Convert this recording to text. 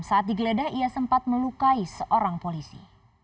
saat digeledah ia sempat melukai seorang polisi